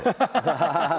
ハハハハ！